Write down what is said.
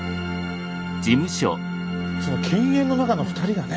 その犬猿の仲の２人がね